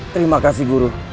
terima kasih guru